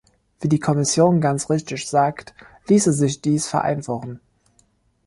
Wie die Kommission ganz richtig sagt, ließe sich dies vereinfachen.